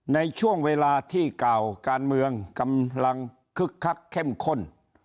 ในช่วงเวลาที่เก่าการเมืองกำลังคึกคักเข้มข้น